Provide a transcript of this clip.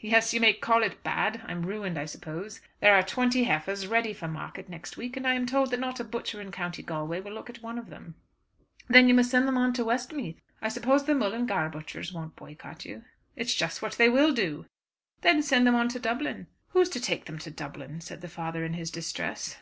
yes, you may call it bad. I am ruined, I suppose. There are twenty heifers ready for market next week, and I am told that not a butcher in County Galway will look at one of them." "Then you must send them on to Westmeath; I suppose the Mullingar butchers won't boycott you?" "It's just what they will do." "Then send them on to Dublin." "Who's to take them to Dublin?" said the father, in his distress.